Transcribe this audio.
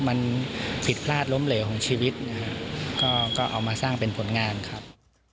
มันผิดพลาดล้มเหลวของชีวิตนะฮะก็เอามาสร้างเป็นผลงานครับ